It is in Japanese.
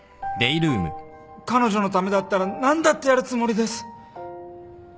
彼女のためだったら何だってやるつもりです。